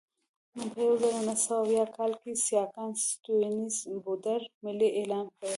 په یوه زرو نهه سوه اویا کال کې سیاکا سټیونز بورډ ملي اعلان کړ.